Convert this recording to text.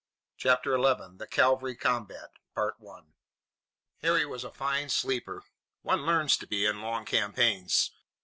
CHAPTER XI THE CAVALRY COMBAT Harry was a fine sleeper. One learns to be in long campaigns.